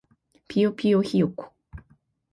ぴよぴよひよこ